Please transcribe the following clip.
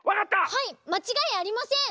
はいまちがいありません！